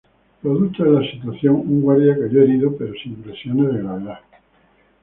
Producto de la situación, un guardia cayó herido pero sin lesiones de gravedad.